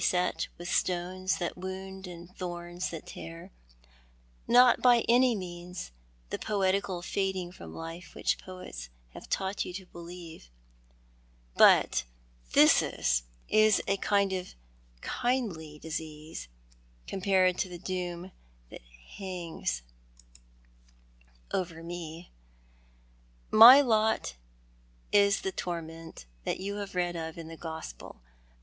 et with stones that wound and thorns that tear— not by any means the poetical fading from life which poets have taught you to believe. But phthisis is a kindly disease compared with the doom that hangs I02 TJioii art the Man. over me. My lot is the torment you have read of in the Gospel.